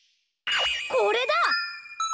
これだ！